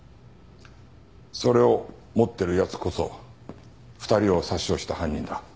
それを持ってる奴こそ２人を殺傷した犯人だ。